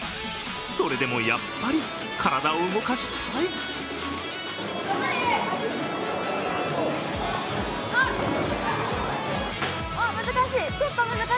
それでも、やっぱり体を動かしたい。